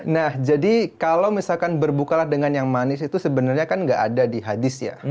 nah jadi kalau misalkan berbukalah dengan yang manis itu sebenarnya kan nggak ada di hadis ya